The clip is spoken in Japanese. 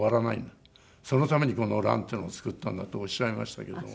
そのためにこの『乱』っていうのを作ったんだとおっしゃいましたけど。